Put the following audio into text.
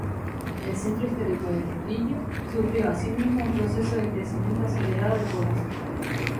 El centro histórico de Trujillo sufrió asimismo un proceso de crecimiento acelerado de población.